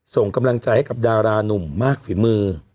ส่งกำลังใจให้กับดารานุ่มมากฝีมือ